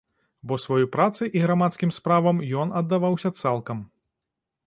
Бо сваёй працы і грамадскім справам ён аддаваўся цалкам.